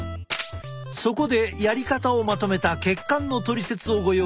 そこでやり方をまとめた血管のトリセツをご用意した。